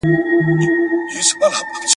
چي مین پر ګل غونډۍ پر ارغوان وم !.